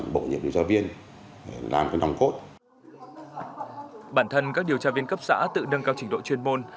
bản thân các điều tra viên cấp xã tự nâng cao trình độ chuyên môn